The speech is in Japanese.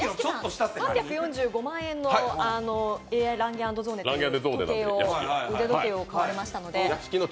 ３４５万円のＡ．ランゲ＆ゾーネという腕時計を買っていましたので。